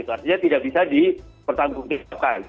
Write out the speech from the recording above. artinya tidak bisa dipertanggungjawabkan